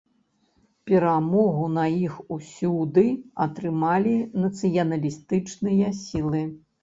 Перамогу на іх усюды атрымалі нацыяналістычныя сілы.